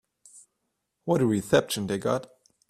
What a reception they got.